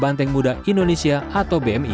banteng muda indonesia atau bmi